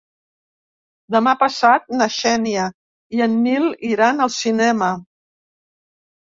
Demà passat na Xènia i en Nil iran al cinema.